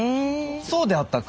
そうであったか？